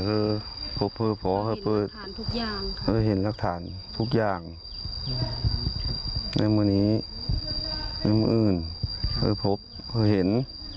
เห็นรักฐานทุกอย่างแม่มะนี้แม่มะอื่นเพื่อพบเพื่อเห็น